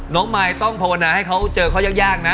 มายต้องภาวนาให้เขาเจอเขายากนะ